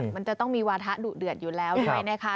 มันจะต้องมีวาทะดุเดือดอยู่แล้วด้วยนะคะ